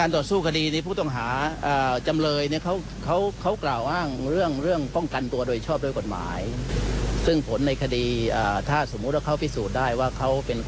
ที่ไม่เข้ามาตรา๖๘คือป้องกันโดยชอบด้วยกฎหมาย